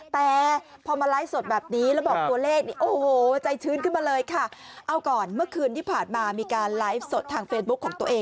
แต่พอมาไลฟ์สดแบบนี้แล้วบอกตัวเลขโอ้โหใจชื้นขึ้นมาเลยค่ะ